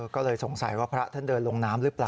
ก็เลยสงสัยว่าพระท่านเดินลงน้ำหรือเปล่า